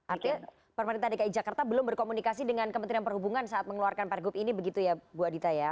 artinya pemerintah dki jakarta belum berkomunikasi dengan kementerian perhubungan saat mengeluarkan pergub ini begitu ya bu adita ya